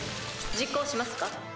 実行しますか？